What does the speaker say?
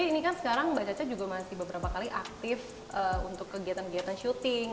ini kan sekarang mbak caca juga masih beberapa kali aktif untuk kegiatan kegiatan syuting